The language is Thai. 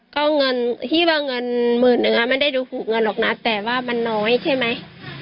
ก็เงินที่ว่าเงินหมื่นนึงไม่ได้ดูถูกเงินหรอกนะแต่ว่ามันน้อยใช่ไหม